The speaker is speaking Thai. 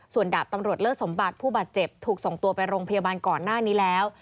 ส่วนดาบตำรวจเลิศสมบัติผู้บาดเจ็บถูกส่งตัวไปโรงพยาบาลก่อนหน้านี้แล้ว